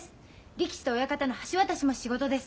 力士と親方の橋渡しも仕事です。